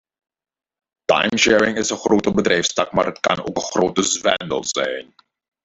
Timesharing is een grote bedrijfstak, maar het kan ook een grote zwendel zijn.